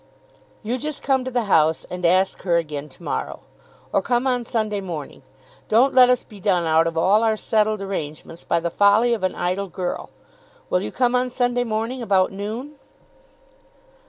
"You just come to the house, and ask her again to morrow. Or come on Sunday morning. Don't let us be done out of all our settled arrangements by the folly of an idle girl. Will you come on Sunday morning about noon?"